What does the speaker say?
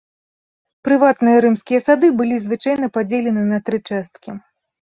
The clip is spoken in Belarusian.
Прыватныя рымскія сады былі звычайна падзелены на тры часткі.